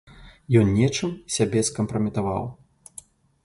Ён нечым сябе скампраметаваў.